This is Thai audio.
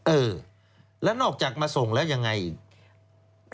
เออแล้วนอกจากมาส่งแล้วยังไงอีก